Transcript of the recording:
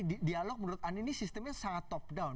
jadi dialog menurut anda ini sistemnya sangat top down